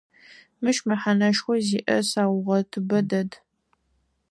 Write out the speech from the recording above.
Мыщ мэхьанэшхо зиӏэ саугъэтыбэ дэт.